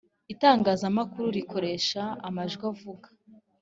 itangazamakuru rikoresha amajwi avuga